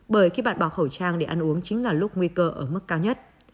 bởi khi bạn bỏ khẩu trang để ăn uống chính là lúc nguy cơ ở mức cao nhất